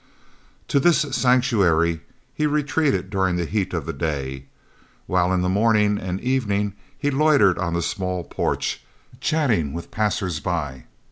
To this sanctuary he retreated during the heat of the day, while in the morning and evening he loitered on the small porch, chatting with passers by.